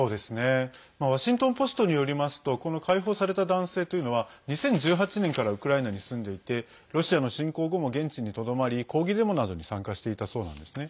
ワシントン・ポストによりますとこの解放された男性というのは２０１８年からウクライナに住んでいてロシア侵攻後も現地にとどまり抗議デモなどに参加していたそうなんですね。